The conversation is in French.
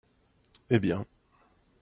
Eh bien